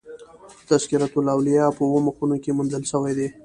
تذکرة الاولیاء" په اوو مخونو کښي موندل سوى دئ.